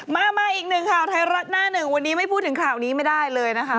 มามาอีกหนึ่งข่าวไทยรัฐหน้าหนึ่งวันนี้ไม่พูดถึงข่าวนี้ไม่ได้เลยนะคะ